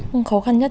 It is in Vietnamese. không khó khăn nhất